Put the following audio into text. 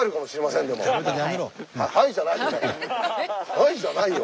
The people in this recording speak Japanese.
「はい」じゃないよ